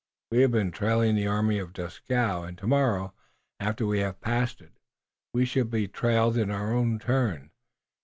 "We have been trailing the army of Dieskau, and tomorrow, after we have passed it, we shall be trailed in our turn.